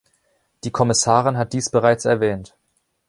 Die Kommissarin hat dies bereits erwähnt.